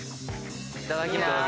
いただきまーす。